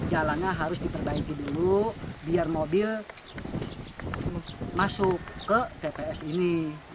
jalannya harus diperbaiki dulu biar mobil masuk ke tps ini